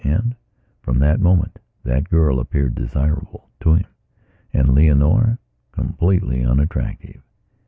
And, from that moment, that girl appeared desirable to himand Leonora completely unattractive.